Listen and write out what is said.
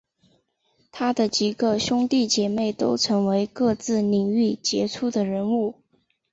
他的几个兄弟姐妹都成为在各自领域杰出的人物。